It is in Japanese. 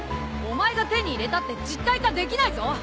お前が手に入れたって実体化できないぞ！